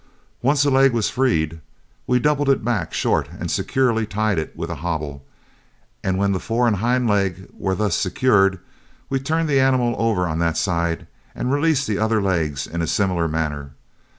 Once a leg was freed, we doubled it back short and securely tied it with a hobble, and when the fore and hind leg were thus secured, we turned the animal over on that side and released the other legs in a similar manner.